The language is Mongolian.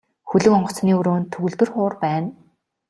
Хөлөг онгоцны өрөөнд төгөлдөр хуур байна.